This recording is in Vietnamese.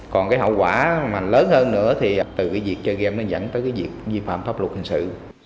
còn cái hậu quả mà lớn hơn nữa thì từ cái việc chơi game nó dẫn tới cái việc vi phạm pháp luật hình sự